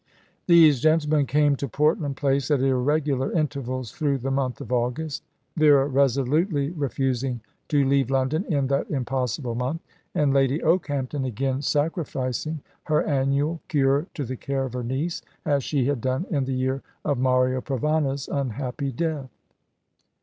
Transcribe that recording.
These gentlemen came to Portland Place at irregular intervals through the month of August, Vera resolutely refusing to leave London in that impossible month, and Lady Okehampton again sacrificing her annual cure to the care of her niece, as she had done in the year of Mario Provana's unhappy death.